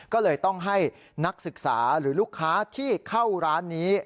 ก็เลยต้องให้นักศึกษาหรือลูกค้าที่เข้าร้านนี้